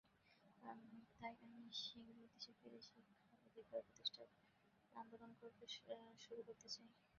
তাই আমি শিগগিরই দেশে ফিরে শিক্ষার অধিকার প্রতিষ্ঠার আন্দোলন শুরু করতে চাই।